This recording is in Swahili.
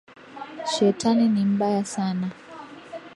Shetani ni.mbaya Sana.